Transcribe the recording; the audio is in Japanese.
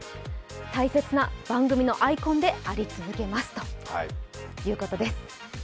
大切な番組のアイコンであり続けますということです。